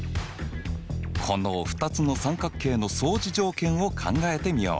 この２つの三角形の相似条件を考えてみよう。